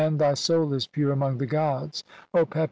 "thy soul is pure among the gods, O Pepi.